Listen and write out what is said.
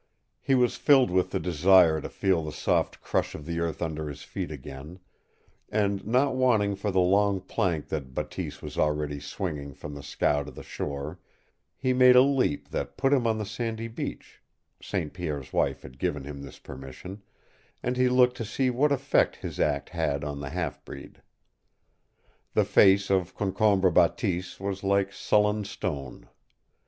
He was filled with the desire to feel the soft crush of the earth under his feet again, and not waiting for the long plank that Bateese was already swinging from the scow to the shore, he made a leap that put him on the sandy beach, St. Pierre's wife had given him this permission, and he looked to see what effect his act had on the half breed. The face of Concombre Bateese was like sullen stone.